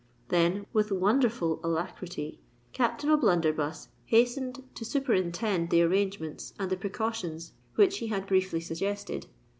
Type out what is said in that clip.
Then, with wonderful alacrity, Captain O'Blunderbuss hastened to superintend the arrangements and the precautions which he had briefly suggested.